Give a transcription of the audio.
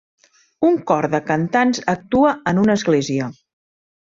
Un cor de cantants actua en una església